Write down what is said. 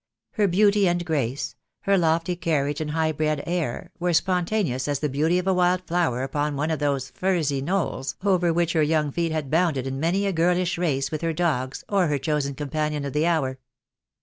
Her beauty and grace, her lofty carriage and high bred air, were spon taneous as the beauty of a wild flower upon one of those furzy knolls over which her young feet had bounded in many a girlish race with her dogs or her chosen com panion of the hour.